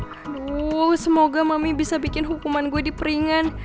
aduh semoga mami bisa bikin hukuman gue di peringan